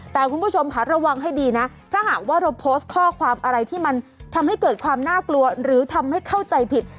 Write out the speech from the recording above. แต่คุณผู้ชมค่ะระวังให้ดีนะถ้าหากว่าเราโพสต์ข้อความอะไรที่มันทำให้เกิดความน่ากลัวหรือทำให้เข้าใจผิด